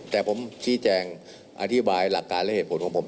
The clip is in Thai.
แต่ผมชี้แจงอธิบายหลักการและเหตุผลของผม